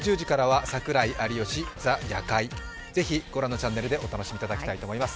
ぜひ御覧のチャンネルでお楽しみいただきたいと思います。